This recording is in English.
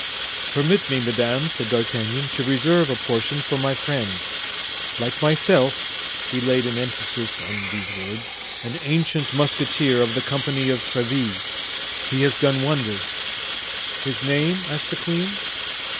"Permit me, madame," said D'Artagnan, "to reserve a portion for my friend; like myself" (he laid an emphasis on these words) "an ancient musketeer of the company of Tréville; he has done wonders." "His name?" asked the queen.